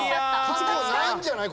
過去ないんじゃない？